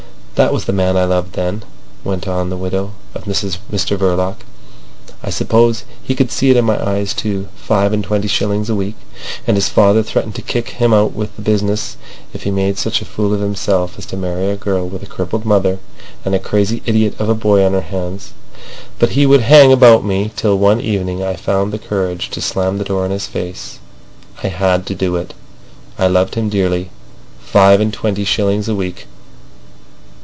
"That was the man I loved then," went on the widow of Mr Verloc. "I suppose he could see it in my eyes too. Five and twenty shillings a week, and his father threatened to kick him out of the business if he made such a fool of himself as to marry a girl with a crippled mother and a crazy idiot of a boy on her hands. But he would hang about me, till one evening I found the courage to slam the door in his face. I had to do it. I loved him dearly. Five and twenty shillings a week!